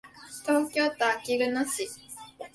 東京都あきる野市